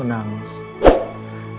ibu mengurus kamu